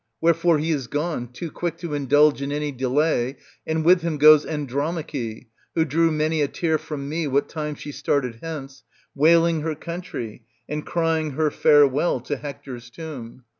Wherefore he is gone, too quick to indulge in any delay, and with him goes Andromache, who drew many a tear from me what time she started hence, wailing her country and crying her farewell to Hector's tomb.